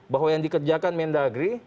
bahwa yang dikerjakan mendagri